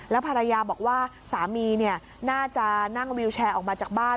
ภรรยาบอกว่าสามีน่าจะนั่งวิวแชร์ออกมาจากบ้าน